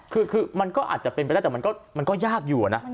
คือมันก็อาจจะเป็นไปได้แต่มันก็ยากอยู่นะ